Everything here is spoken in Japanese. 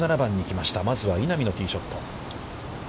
まずは稲見のティーショット。